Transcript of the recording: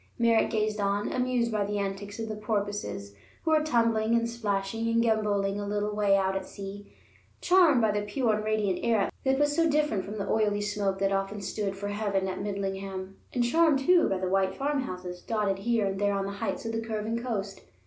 Merritt gazed on, amused by the antics of the porpoises who were tumbling and splashing and gamboling a little way out at sea, charmed by the pure and radiant air that was so different from the oily smoke that often stood for heaven at Midlingham, and charmed, too, by the white farmhouses dotted here and there on the heights of the curving coast.